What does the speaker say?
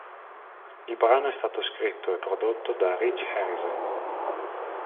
Il brano è stato scritto e prodotto da Rich Harrison.